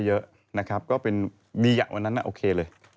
เยอะคนไปเยอะวันนั้นโอเคเลย